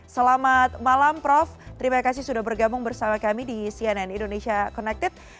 selamat malam prof terima kasih sudah bergabung bersama kami di cnn indonesia connected